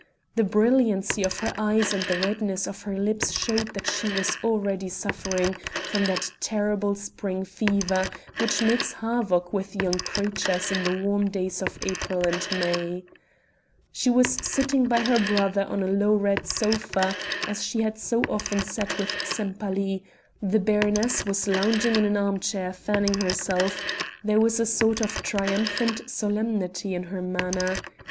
The brilliancy of her eyes and the redness of her lips showed that she was already suffering from that terrible spring fever which makes havoc with young creatures in the warm days of April and May. She was sitting by her brother on a low red sofa, as she had so often sat with Sempaly; the baroness was lounging in an arm chair fanning herself; there was a sort of triumphant solemnity in her manner.